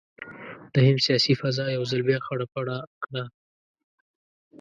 د هند سیاسي فضا یو ځل بیا خړه پړه کړه.